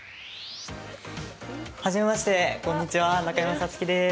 初めましてこんにちは中山咲月です。